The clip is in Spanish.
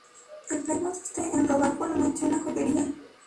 El plan consiste en robar por la noche una joyería.